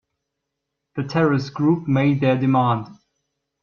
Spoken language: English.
The terrorist group made their demand.